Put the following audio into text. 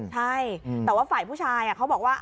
ใช่แต่ว่าฝ่ายผู้ชายเขาบอกว่า